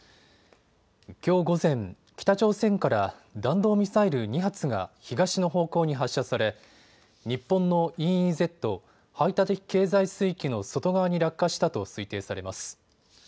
きょう午前、北朝鮮から弾道ミサイル２発が東の方向に発射され日本のＥＥＺ・排他的経済水域の外側に落下したと推定されます。